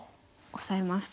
オサえます。